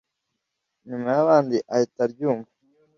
nyuma yabandi ahita aryumva,